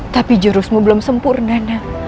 tapi jurusmu belum sempurna